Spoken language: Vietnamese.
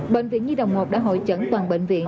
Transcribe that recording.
bệnh viện nhi đồng một đã hội chẩn toàn bệnh viện